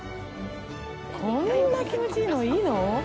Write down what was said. こんな気持ちいいの、いいの？